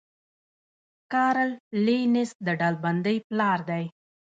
کارل لینس د ډلبندۍ پلار دی